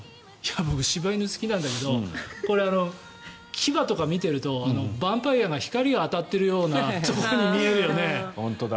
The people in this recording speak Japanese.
僕、柴犬好きなんだけどこれ、牙とか見てるとバンパイアが光が当たっているように見えるよね。